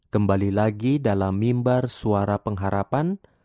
kembali lagi dalam mimbar suara pengharapan